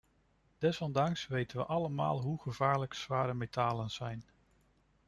Desondanks weten we allemaal hoe gevaarlijk zware metalen zijn.